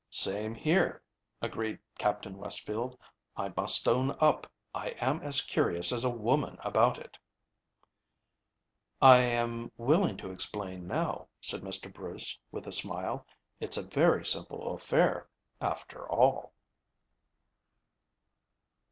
"Same here," agreed Captain Westfield. "I must own up, I am as curious as a woman about it." "I am willing to explain now," said Mr. Bruce, with a smile. "It's a very simple affair, after all."